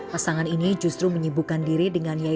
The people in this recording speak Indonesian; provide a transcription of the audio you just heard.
pasangan ini justru menyibukkan diri dengan yayasan